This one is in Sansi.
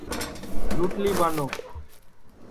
جھوٹؔلی بانو